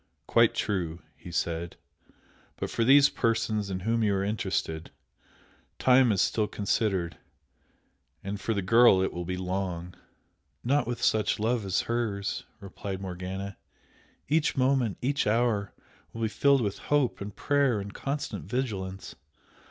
"Quite true," he said "But for these persons in whom you are interested, time is still considered and for the girl it will be long!" "Not with such love as hers!" replied Morgana. "Each moment, each hour will be filled with hope and prayer and constant vigilance.